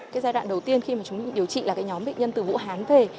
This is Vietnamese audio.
cái giai đoạn đầu tiên khi mà chúng mình điều trị là cái nhóm bệnh nhân từ vũ hán về